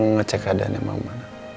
ngecek keadaannya mama